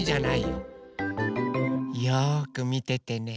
よくみててね。